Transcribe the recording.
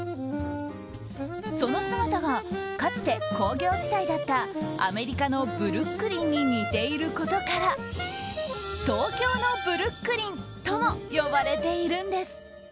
その姿が、かつて工業地帯だったアメリカのブルックリンに似ていることから東京のブルックリンとも呼ばれているんです。